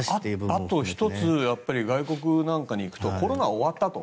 あと１つ外国なんかに行くともうコロナは終わったと。